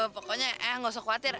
pokoknya eang gak usah khawatir